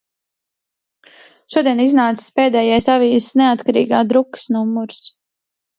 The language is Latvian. Šodien iznācis pēdējais avīzes "Neatkarīgā" drukas numurs.